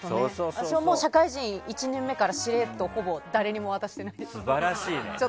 私はもう社会人１年目からしれっと誰にも渡してないです。